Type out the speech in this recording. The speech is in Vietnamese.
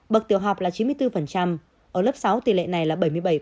bậc tiểu học là chín mươi bốn ở lớp sáu tỷ lệ này là bảy mươi bảy